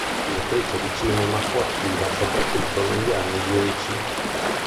Come attrice di cinema fu attiva soprattutto negli anni Dieci.